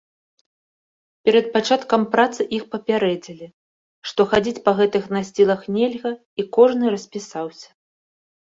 Перад пачаткам працы іх папярэдзілі, што хадзіць па гэтых насцілах нельга і кожны распісаўся.